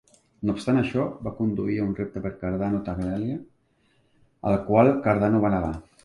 No obstant això, va conduir a un repte per Cardano de Tartaglia, el qual Cardano va negar.